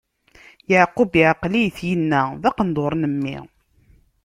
Yeɛqub iɛeql-it, inna: D aqendur n mmi!